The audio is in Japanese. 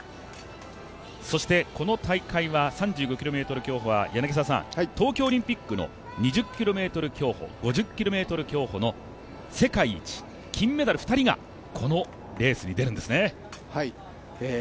そしてこの大会は、３５ｋｍ競歩は東京オリンピックの２０ｋｍ競歩、５０ｋｍ競歩の世界一金メダル２人がこのレースに出るんですね。